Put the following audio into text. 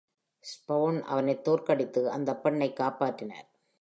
Spawn அவனைத் தோற்கடித்து அந்தப் பெண்ணைக் காப்பாற்றினார்.